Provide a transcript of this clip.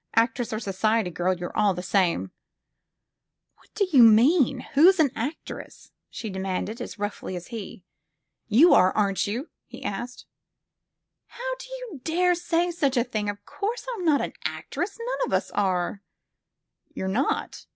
Actress or society girl, you're all the same thing." "What do you mean? Who's an actress?" she de manded, as roughly as he. You are, aren 't you ?" he asked. How do you dare say such a thing ! Of course I 'm not an actress. None of us are." "You're not!"